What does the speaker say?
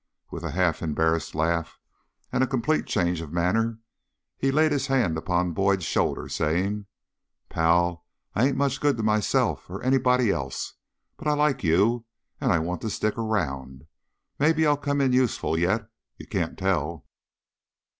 With a half embarrassed laugh and a complete change of manner, he laid his hand upon Boyd's shoulder, saying: "Pal, I ain't much good to myself or anybody else, but I like you and I want to stick around. Maybe I'll come in useful yet you can't tell."